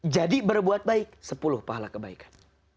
berbuat baik sepuluh pahala kebaikan